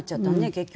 結局。